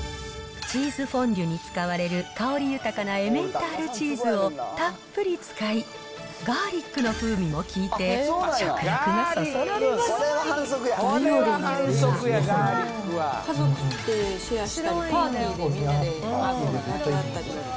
チーズフォンデュに使われる香り豊かなエメンタールチーズをたっぷり使い、ガーリックの風味も効いて、食欲がそそられます。